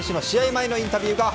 前のインタビューです。